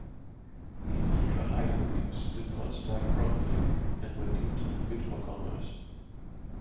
The Ultra High Reliefs did not stack properly and were deemed unfit for commerce.